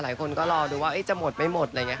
หลายคนก็รอดูว่าจะหมดไม่หมดอะไรอย่างนี้